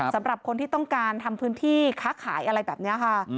สำหรับคนที่ต้องการทำพื้นที่ค้าขายอะไรแบบนี้ค่ะ